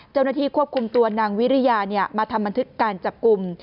เจ้าหน้าที่ควบคุมตัวนางวิริยามาทำบันทึกการจับกลุ่ม